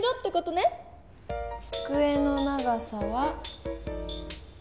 つくえの長さは。